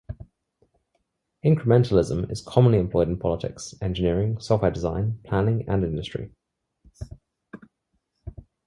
Incrementalism is commonly employed in politics, engineering, software design, planning and industry.